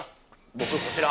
僕、こちら。